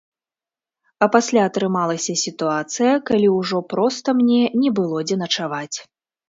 А пасля атрымалася сітуацыя, калі ўжо проста мне не было дзе начаваць.